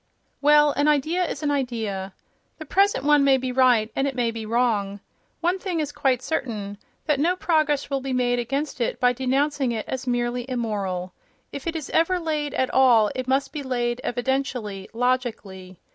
Well, an idea is an idea. The present one may be right and it may be wrong. One thing is quite certain: that no progress will be made against it by denouncing it as merely immoral. If it is ever laid at all, it must be laid evidenti ally, logically.